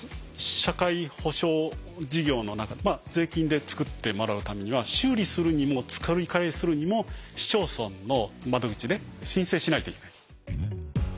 社会保障事業の中税金で作ってもらうためには修理するにも作り替えするにも市町村の窓口で申請しないといけないです。